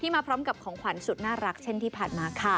มาพร้อมกับของขวัญสุดน่ารักเช่นที่ผ่านมาค่ะ